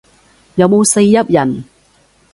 有冇四邑人